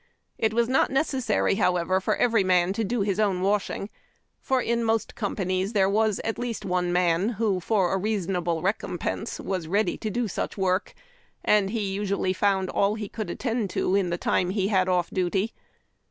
It was not necessary, however, for every man to do his own washing, for in most companies there was at least one man who, for a reasonable recompense, was ready to do such work, and he usually found all he could attend to in the time he had off duty.